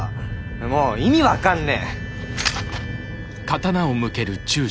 もう意味分かんねえ。